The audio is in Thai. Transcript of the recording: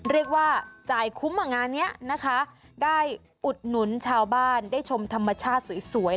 เรียกว่าจ่ายคุ้มงานนี้นะคะได้อุดหนุนชาวบ้านได้ชมธรรมชาติสวย